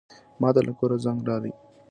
ماته له کوره زنګ راغی.